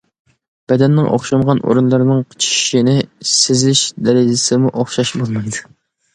بەدەننىڭ ئوخشىمىغان ئورۇنلىرىنىڭ قىچىشىشىنى سىزىش دەرىجىسىمۇ ئوخشاش بولمايدۇ.